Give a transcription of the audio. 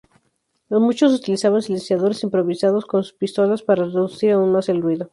Muchos utilizaban silenciadores improvisados en sus pistolas para reducir aún más el ruido.